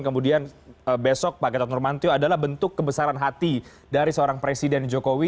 kemudian besok pak gatot nurmantio adalah bentuk kebesaran hati dari seorang presiden jokowi